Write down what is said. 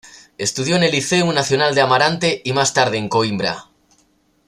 Estudió en el Liceu Nacional de Amarante y más tarde en Coimbra.